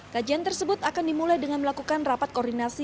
kajian tersebut akan dimulai dengan melakukan rapat koordinasi